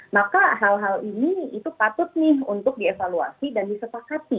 maka hal hal ini itu patut nih untuk dievaluasi dan disepakati